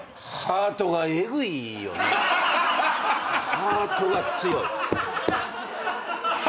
ハートが強い。